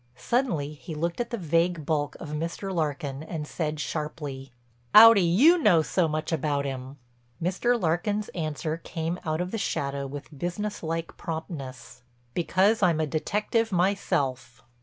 Suddenly he looked at the vague bulk of Mr. Larkin and said sharply: "'Ow do you know so much about 'im?" Mr. Larkin's answer came out of the shadow with businesslike promptness: "Because I'm a detective myself."